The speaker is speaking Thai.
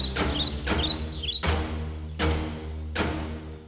สวัสดีครับสวัสดีครับ